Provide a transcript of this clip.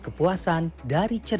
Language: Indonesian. iya gak sih